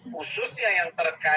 khusus ya yang terkait